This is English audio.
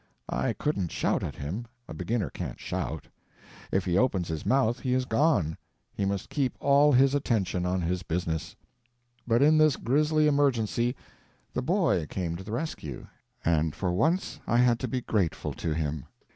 I couldn't shout at him—a beginner can't shout; if he opens his mouth he is gone; he must keep all his attention on his business. But in this grisly emergency, the boy came to the rescue, and for once I had to be grateful to him.